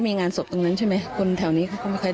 เนื่องจากนี้ไปก็คงจะต้องเข้มแข็งเป็นเสาหลักให้กับทุกคนในครอบครัว